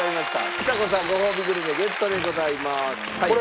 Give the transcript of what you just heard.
ちさ子さんごほうびグルメゲットでございます。